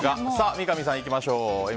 三上さん、行きましょう。